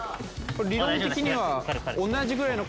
理論的には。